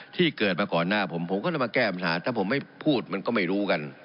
ที่เกิดมาก่อนหน้าผมผมก็ต้องมาแก้ปัญหาถ้าผมไม่พูดมันก็ไม่รู้กัน